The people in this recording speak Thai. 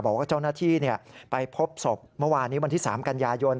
บอกว่าเจ้าหน้าที่ไปพบศพเมื่อวานนี้วันที่๓กันยายน